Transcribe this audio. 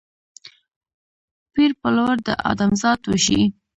پېر پلور د ادم ذات وشي